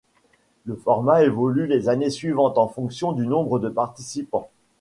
Le format évolue les années suivantes en fonction du nombre de participants.